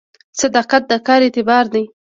صداقت د کار اعتبار دی